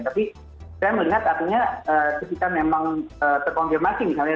tapi saya melihat artinya ketika memang terkonfirmasi misalnya